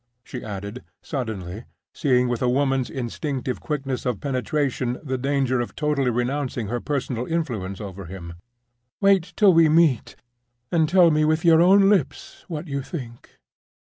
she added, suddenly, seeing with a woman's instinctive quickness of penetration the danger of totally renouncing her personal influence over him. "Wait till we meet, and tell me with your own lips what you think."